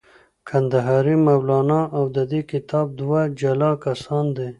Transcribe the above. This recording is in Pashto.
کندهاری مولانا او د دې کتاب دوه جلا کسان دي.